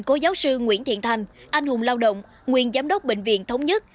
cô giáo sư nguyễn thiện thành anh hùng lao động nguyên giám đốc bệnh viện thống nhất